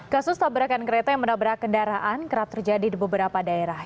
kasus tabrakan kereta yang menabrak kendaraan kerap terjadi di beberapa daerah